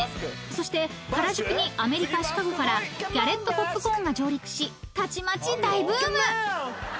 ［そして原宿にアメリカシカゴからギャレットポップコーンが上陸したちまち大ブーム！］